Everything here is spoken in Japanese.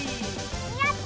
やった！